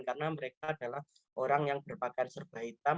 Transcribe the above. karena mereka adalah orang yang berpakaian serba hitam